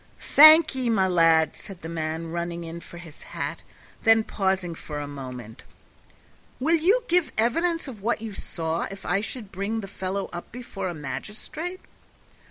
"Thank ye, my lad," said the man, running in for his hat; then pausing for a moment, "Will you give evidence of what you saw if I should bring the fellow up before a magistrate?"